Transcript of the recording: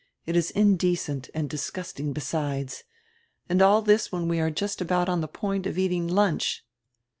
It is indecent, and disgusting besides. And all this when we are just about on the point of eating lunch!"